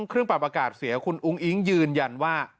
เครื่องปรับอากาศเสียคุณอุ้งอิ๊งยืนยันว่า